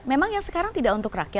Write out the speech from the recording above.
memang yang sekarang tidak untuk rakyat